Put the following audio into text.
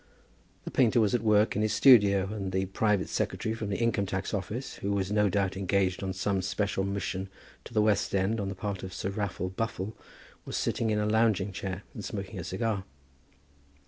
The painter was at work in his studio, and the private secretary from the Income tax Office, who was no doubt engaged on some special mission to the West End on the part of Sir Raffle Buffle, was sitting in a lounging chair and smoking a cigar.